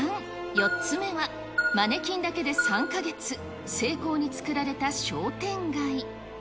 ４つ目は、マネキンだけで３か月、精巧に作られた商店街。